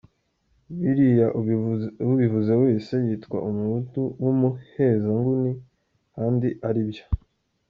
Biriya ubivuze wese, yitwa umuhutu w’umuhezanguni kandi ari byo!